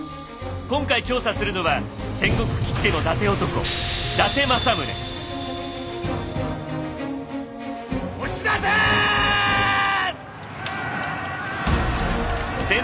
今回調査するのは戦国きっての伊達男押し出せ！